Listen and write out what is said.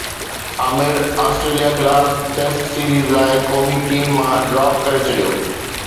Amir Australia خلاف test series لاءِ قومي ٽيم مان ڊراپ ڪري ڇڏيو